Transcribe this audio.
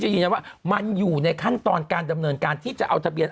ยืนยันว่ามันอยู่ในขั้นตอนการดำเนินการที่จะเอาทะเบียน